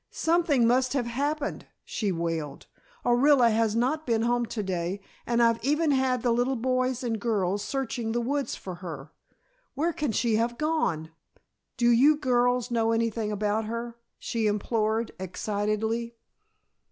"Something must have happened," she wailed. "Orilla has not been home to day and I've even had the little boys and girls searching the woods for her. Where can she have gone? Do you girls know anything about her?" she implored, excitedly.